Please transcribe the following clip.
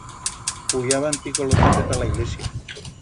Puyaban ticolotaco ta la ilesia.